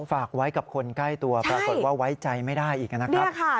ฝากไว้กับคนใกล้ตัวปรากฏว่าไว้ใจไม่ได้อีกนะครับ